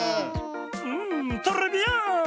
んトレビアーン！